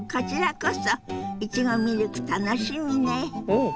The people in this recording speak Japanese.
うん！